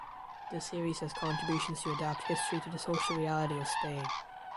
The series has contributions to adapt history to the social reality of Spain.